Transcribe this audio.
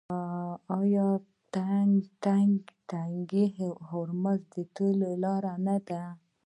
آیا تنګی هرمز د تیلو لاره نه ده؟